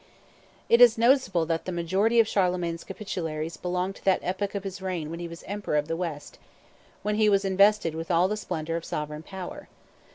It is noticeable that the majority of Charlemagne's Capitularies belong to that epoch of his reign when he was Emperor of the West, when he was invested with all the splendor of sovereign power.